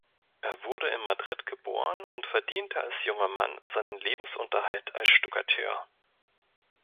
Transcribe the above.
Er wurde in Madrid geboren und verdiente als junger Mann seinen Lebensunterhalt als Stuckateur.